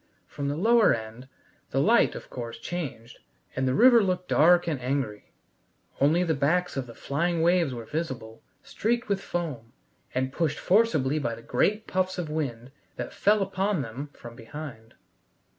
From the lower end the light, of course, changed, and the river looked dark and angry. Only the backs of the flying waves were visible, streaked with foam, and pushed forcibly by the great puffs of wind that fell upon them from behind.